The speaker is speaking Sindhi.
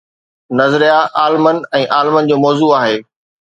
نظريه عالمن ۽ عالمن جو موضوع آهي.